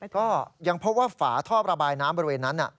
ก็ยังพบว่าฝาท่อระบายน้ำบริเวณนั้น